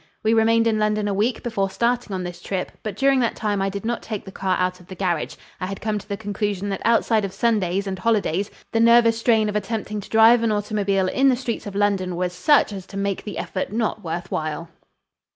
We remained in London a week before starting on this trip, but during that time I did not take the car out of the garage. I had come to the conclusion that outside of Sundays and holidays the nervous strain of attempting to drive an automobile in the streets of London was such as to make the effort not worth while.